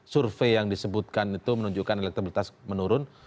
survei yang disebutkan itu menunjukkan elektabilitas menurun